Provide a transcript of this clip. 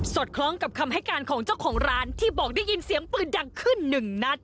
คล้องกับคำให้การของเจ้าของร้านที่บอกได้ยินเสียงปืนดังขึ้นหนึ่งนัด